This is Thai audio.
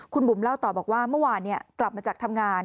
คุณบุ๋มเล่าต่อบอกว่าเมื่อวานกลับมาจากทำงาน